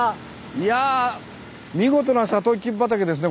いやあ見事なサトウキビ畑ですね